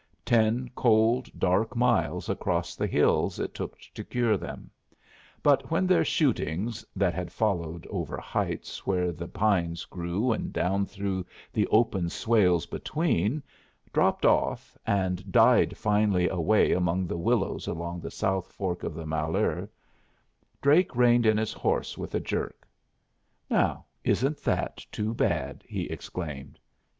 Ten cold, dark miles across the hills it took to cure them; but when their shootings, that had followed over heights where the pines grew and down through the open swales between, dropped off, and died finally away among the willows along the south fork of the Malheur, Drake reined in his horse with a jerk. "Now isn't that too bad!" he exclaimed.